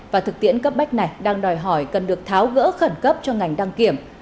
và thực tiễn cấp bách này đang đòi hỏi cần được tháo gỡ khẩn cấp cho ngành đăng kiểm